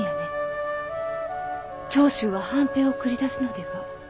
長州は藩兵を繰り出すのでは？